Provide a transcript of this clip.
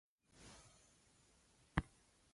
Wootton also appears on some recordings by Slapp Happy.